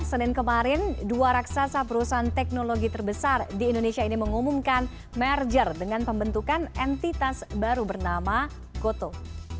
senin kemarin dua raksasa perusahaan teknologi terbesar di indonesia ini mengumumkan merger dengan pembentukan entitas baru bernama gotoh